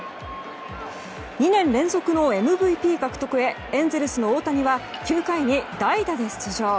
２年連続のＭＶＰ獲得へエンゼルスの大谷は９回に代打で出場。